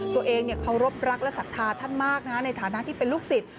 ตัวเองเคารพรักและศรัทธาท่านมากในฐานะที่เป็นลูกศิษย